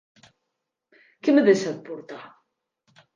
Que m'è deishat portar!